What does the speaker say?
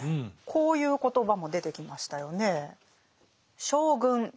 こういう言葉も出てきましたよね。